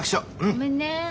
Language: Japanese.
ごめんね。